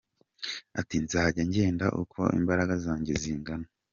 Ati: "Nzanjya ngenda uko imbaraga zanjye zingana.